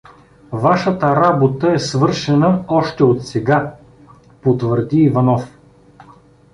— Вашата работа е свършена още отсега — потвърди Иванов.